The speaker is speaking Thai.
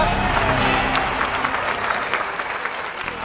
ไม่ใช้ไม่ใช้ครับ